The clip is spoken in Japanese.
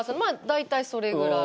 大体、それぐらい。